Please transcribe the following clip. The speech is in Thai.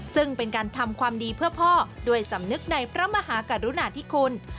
ซึ่งเป็นการทำความดีเพื่อพ่อด้วยสำนึกในพระมหากรุณาธิคุณ